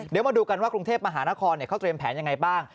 เดี๋ยวมาดูกันว่ากรุงเทพมหานครเขาเตรียมแผนยังไงบ้าง